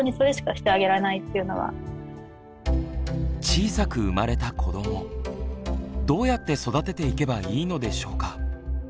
小さく生まれた子どもどうやって育てていけばいいのでしょうか？